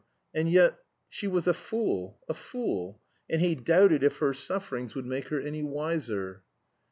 And yet she was a fool, a fool; and he doubted if her sufferings would make her any wiser.